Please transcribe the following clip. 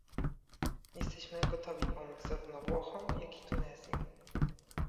Jesteśmy gotowi pomóc zarówno Włochom, jak i Tunezji